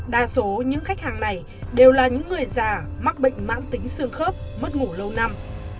đa số những khách hàng này đều là những người già mắc bệnh mãn tính xương khớp mất ngủ lâu năm